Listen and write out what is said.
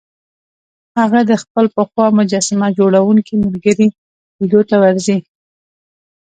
هغه د خپل پخوا مجسمه جوړوونکي ملګري لیدو ته ورځي